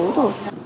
do nhu cầu